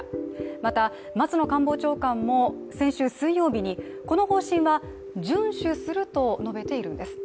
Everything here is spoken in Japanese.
また、松野官房長官も先週水曜日にこの方針は順守すると述べているんです。